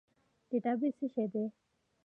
ډیټابیس څه شی دی؟